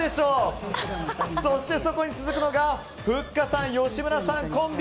そして、そこに続くのがふっかさん、吉村さんコンビ。